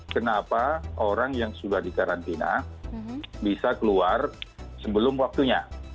kenapa orang yang sudah dikarantina bisa keluar sebelum waktunya